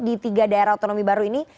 di tiga daerah otonomi baru ini